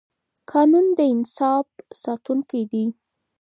قانون د انصاف ساتونکی دی